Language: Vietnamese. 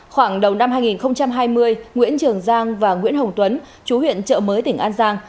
khoảng đầu năm hai nghìn hai mươi nguyễn trường giang và nguyễn hồng tuấn chú huyện trợ mới tỉnh an giang